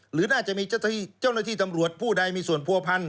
หรือน่าจะมีเจ้าหน้าที่ตำรวจผู้ใดมีส่วนผัวพันธ